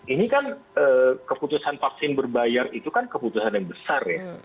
ini kan keputusan vaksin berbayar itu kan keputusan yang besar ya